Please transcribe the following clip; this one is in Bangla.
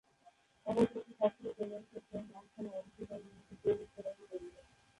শহরটি একটি সক্রিয় তেলের ক্ষেত্রের মাঝখানে অবস্থিত এবং এটি একটি তেল উত্তোলনের কেন্দ্র।